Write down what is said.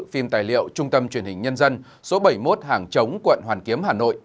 phim tài liệu trung tâm truyền hình nhân dân số bảy mươi một hàng chống quận hoàn kiếm hà nội